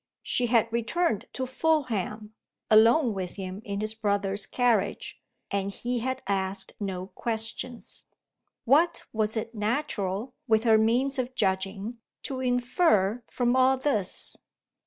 She had returned to Fulham, alone with him in his brother's carriage; and he had asked no questions. What was it natural, with her means of judging, to infer from all this?